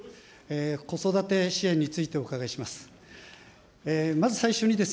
子育て支援についてお伺いします。